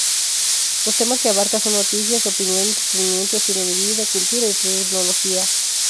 Los temas que abarca son noticias, opinión, entretenimiento, estilo de vida, cultura y tecnología.